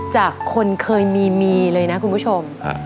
จากคนเคยมีมีเลยนะคุณผู้ชม